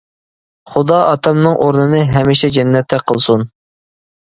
خۇدا ئاتامنىڭ ئورنىنى ھەمىشە جەننەتتە قىلسۇن.